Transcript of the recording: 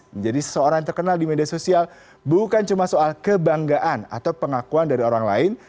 menjadi seseorang terkenal di media sosial bukan cuma soal kebanggaan atau pengakuan dari orang lain